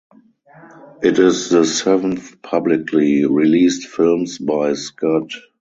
It is the seventh publicly released films by Scud.